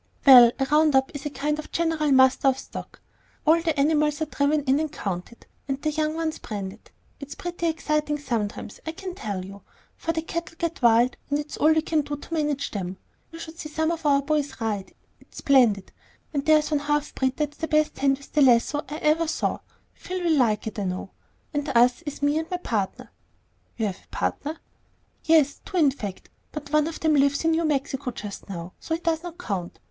"Well, a round up is a kind of general muster of the stock. All the animals are driven in and counted, and the young ones branded. It's pretty exciting sometimes, I can tell you, for the cattle get wild, and it's all we can do to manage them. You should see some of our boys ride; it's splendid, and there's one half breed that's the best hand with the lasso I ever saw. Phil will like it, I know. And 'us' is me and my partner." "Have you a partner?" "Yes, two, in fact; but one of them lives in New Mexico just now, so he does not count.